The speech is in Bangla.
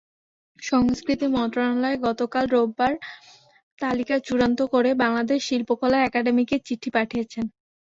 সংস্কৃতি মন্ত্রণালয় গতকাল রোববার তালিকা চূড়ান্ত করে বাংলাদেশ শিল্পকলা একাডেমীকে চিঠি পাঠিয়েছে।